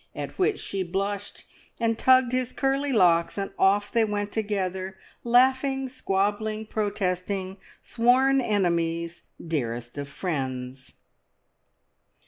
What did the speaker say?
at which she blushed and tugged his curly locks, and off they went together, laughing, squabbling, protesting; sworn enemies, dearest of friends!